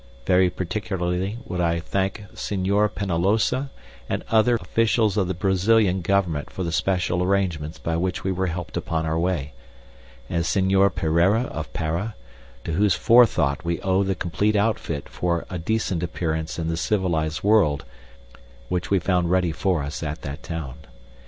Very particularly would I thank Senhor Penalosa and other officials of the Brazilian Government for the special arrangements by which we were helped upon our way, and Senhor Pereira of Para, to whose forethought we owe the complete outfit for a decent appearance in the civilized world which we found ready for us at that town.